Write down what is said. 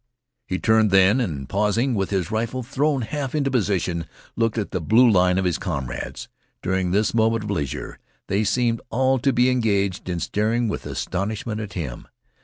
He turned then and, pausing with his rifle thrown half into position, looked at the blue line of his comrades. During this moment of leisure they seemed all to be engaged in staring with astonishment at him.